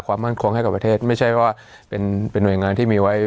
ความมั่นคงให้กับประเทศไม่ใช่ว่าเป็นหน่วยงานที่มีไว้